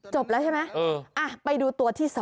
จบแล้วใช่ไหมไปดูตัวที่๒